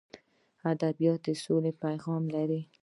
ادبیات د سولې پیغام لري.